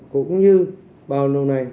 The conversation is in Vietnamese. cũng như bao lâu nay